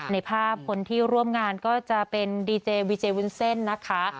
ในภาพคนที่ร่วมงานก็จะเป็นดีเจวีเจวุ้นเส้นนะคะ